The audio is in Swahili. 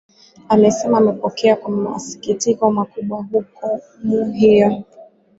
amesema amepokea kwa masikitiko makubwa hukumu hiyo